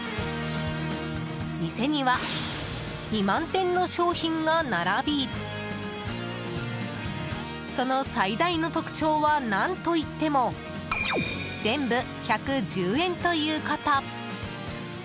店には２万点の商品が並びその最大の特徴は何といっても全部１１０円ということ。